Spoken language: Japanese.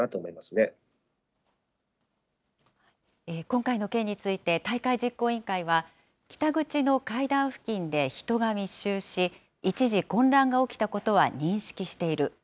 今回の件について、大会実行委員会は、北口の階段付近で人が密集し、一時、混乱が起きたことは認識している。